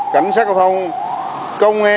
cảnh sát giao thông công an